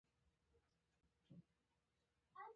آیا دوی خپله بودیجه نلري؟